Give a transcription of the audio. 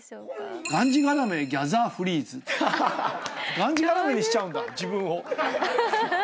がんじがらめにしちゃうんだ自分を。